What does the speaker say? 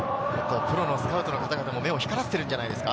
プロのスカウトの方々も目を光らせているんじゃないですか。